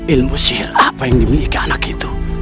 ilmu sihir apa yang dimiliki anak itu